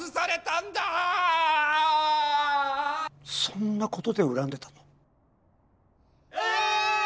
そんなことで恨んでたの？